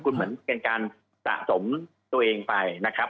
คุณเหมือนเป็นการสะสมตัวเองไปนะครับ